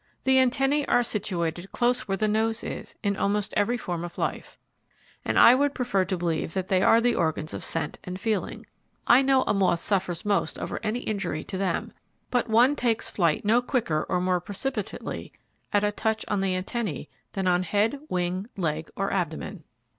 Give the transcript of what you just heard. The antennae are situated close where the nose is, in almost every form of life, and I would prefer to believe that they are the organs of scent and feeling. I know a moth suffers most over any injury to them; but one takes flight no quicker or more precipitately at a touch on the antennae than on the head, wing, leg, or abdomen.